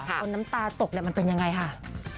น้ำตาตกมันเป็นยังไงค่ะ